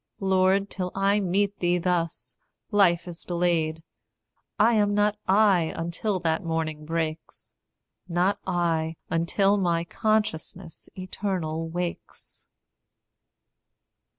Lord, till I meet thee thus, life is delayed; I am not I until that morning breaks, Not I until my consciousness eternal wakes.